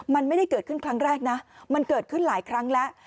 มันไม่ได้เกิดขึ้นครั้งแรกนะมันเกิดขึ้นหลายครั้งแล้ว